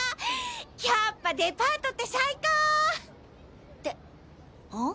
やっぱデパートって最高！ってん？